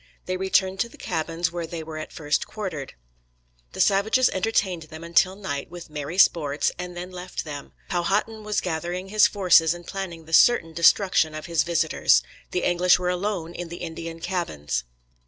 They returned to the cabins where they were at first quartered. The savages entertained them until night with "merry sports," and then left them. Powhatan was gathering his forces and planning the certain destruction of his visitors. The English were alone in the Indian cabins.